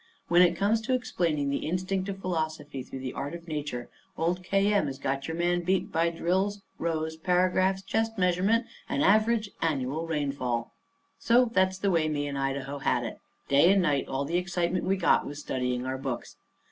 When it comes to explaining the instinct of philosophy through the art of nature, old K. M. has got your man beat by drills, rows, paragraphs, chest measurement, and average annual rainfall." So that's the way me and Idaho had it. Day and night all the excitement we got was studying our books.